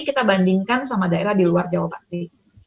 kita bandingkan sama daerah di luar jawa bali